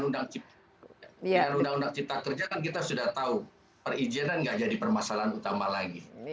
undang undang cipta kerja kan kita sudah tahu perizinan nggak jadi permasalahan utama lagi